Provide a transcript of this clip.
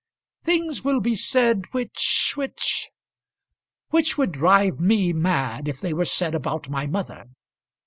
"Things will be said which which which would drive me mad if they were said about my mother."